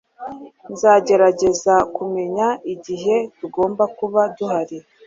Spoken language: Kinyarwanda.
Nzagerageza kumenya igihe tugomba kuba duhari